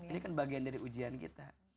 ini kan bagian dari ujian kita